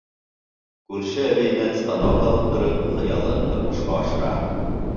Күрше әбейенән станок алып тороп, хыялын тормошҡа ашыра.